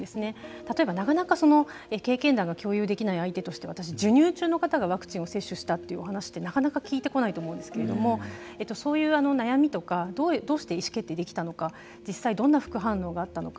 例えばなかなか経験談が共有できない相手として授乳中の方がワクチンを接種したというお話をなかなか聞いてこないと思うんですけれどもそういう悩みとかどうして意思決定できたのか実際どんな副反応があったのか。